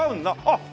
あっ！